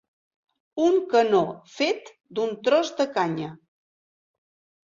Un canó fet d'un tros de canya.